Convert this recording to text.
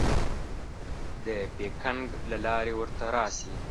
د پیکنګ له لارې ورته راسې.